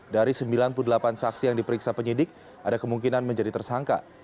dari sembilan puluh delapan saksi yang diperiksa penyidik ada kemungkinan menjadi tersangka